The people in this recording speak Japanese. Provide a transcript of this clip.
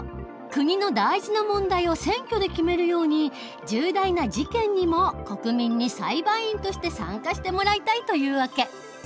国の大事な問題を選挙で決めるように重大な事件にも国民に裁判員として参加してもらいたいという訳。